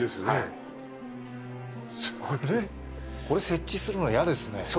これ設置するの嫌ですね。